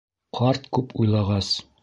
Ҡарт күп уйлағас: